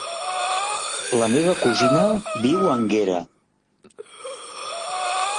La meva cosina viu a Énguera.